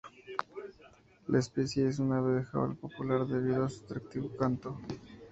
La especie es un ave de jaula popular debido a su atractivo canto.